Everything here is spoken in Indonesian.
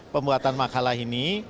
pembuatan makalah ini